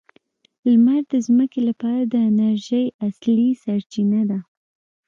لمر د ځمکې لپاره د انرژۍ اصلي سرچینه ده.